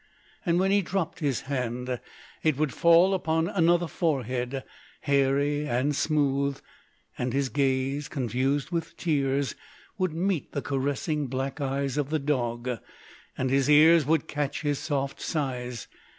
And when he dropped his hand, it would fall upon another forehead, hairy and smooth, and his gaze, confused with tears, would meet the caressing black eyes of the dog, and his ears would catch his soft sighs.